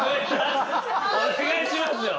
お願いしますよ。